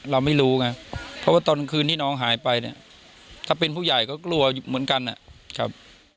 เราไม่รู้ไงเพราะว่าตอนกลางคืนที่น้องหายไปเนี่ยถ้าเป็นผู้ใหญ่ก็กลัวเหมือนกันนะครับ